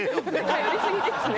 頼りすぎですね。